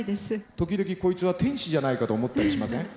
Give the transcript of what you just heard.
時々こいつは天使じゃないかと思ったりしません？